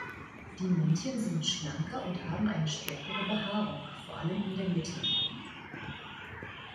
Die Männchen sind schlanker und haben eine stärkere Behaarung, vor allem in der Mitte.